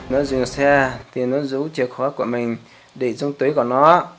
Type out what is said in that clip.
nó dùng xe thì nó giữ chìa khóa của mình để trong tuế của nó